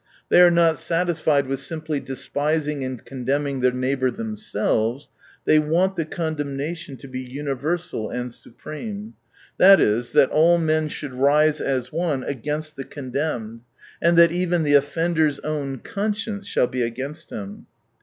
They are not satisfied with simply despising and condemning their neighbour themselves, they want the condemnation to be universal and supreme : that is, that all men should rise as one agaihst the con demned, and that even the offender's own conscience shall be against him.